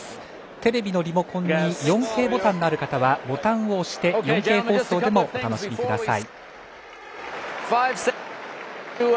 テレビのリモコンに４Ｋボタンのある方はボタンを押して４Ｋ放送でもお楽しみください。